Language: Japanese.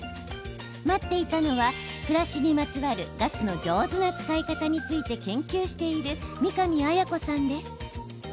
待っていたのは暮らしにまつわるガスの上手な使い方について研究している、三神彩子さんです。